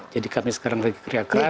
jadi kami sekarang lagi kerja keras